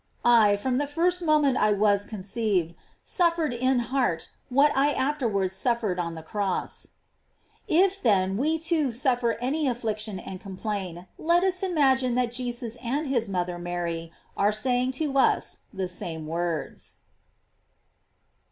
I, from the first moment I was conceived, suf fered in heart what I afterwards suffered on the cross. " If, then, we too suffer any affliction and complain, let us imagine that Jesus and his mother Mary are saying to us the same words.